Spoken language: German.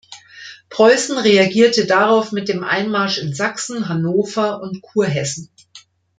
Preußen reagierte darauf mit dem Einmarsch in Sachsen, Hannover und Kurhessen.